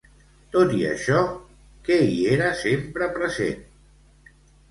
Tot i això, què hi era sempre present?